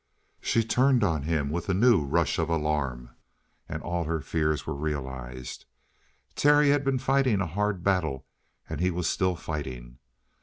She turned on him with a new rush of alarm. And all her fears were realized. Terry had been fighting a hard battle and he was still fighting.